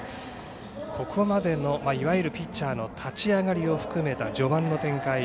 ここまでのいわゆるピッチャーの立ち上がりを含めた序盤の展開